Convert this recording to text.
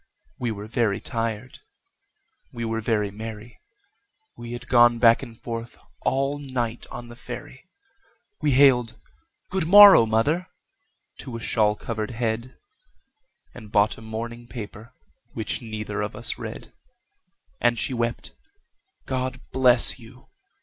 We were very tired, we were very merry, We had gone back and forth all night on the ferry, We hailed "Good morrow, mother!" to a shawl covered head, And bought a morning paper, which neither of us read; And she wept, "God bless you!"